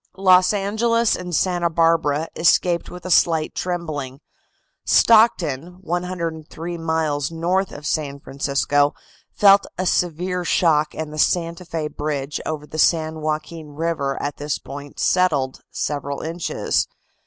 Los Angeles and Santa Barbara escaped with a slight trembling; Stockton, 103 miles north of San Francisco, felt a severe shock and the Santa Fe bridge over the San Joaquin River at this point settled several inches.